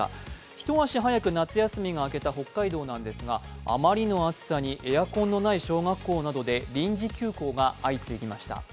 一足早く夏休みが明けた北海道なんですがあまりの暑さにエアコンのない小学校などで臨時休校が相次ぎました。